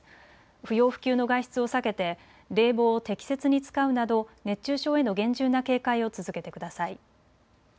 不要不急の外出を避けて冷房を適切に使うなど熱中症への厳重な警戒を続けてください。